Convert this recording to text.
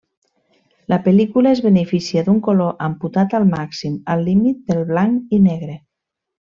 La pel·lícula es beneficia d'un color amputat al màxim, al límit del blanc i negre.